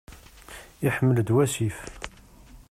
Iḥmel-d wasif.